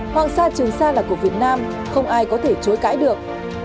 hoàng sa trường sa là của việt nam không ai có thể chối cãi được